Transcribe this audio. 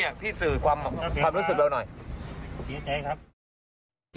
อยากที่สื่อความรู้สึกแล้วหน่อย